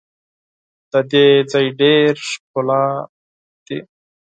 د دې ځای ډېر ښکلا دي.